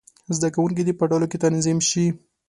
زده کوونکي دې په ډلو کې تنظیم شي.